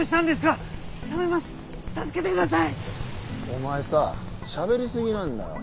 お前さしゃべりすぎなんだよ。